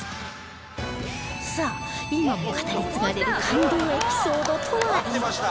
さあ今も語り継がれる感動エピソードとは一体